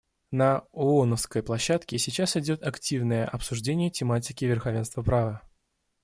На ооновской площадке сейчас идет активное обсуждение тематики верховенства права.